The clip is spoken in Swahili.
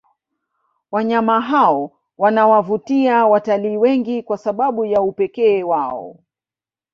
Wanyama hao wanawavutia watalii wengi kwa sababu ya upekee wao